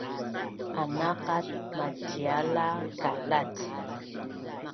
anaqat maciala kalac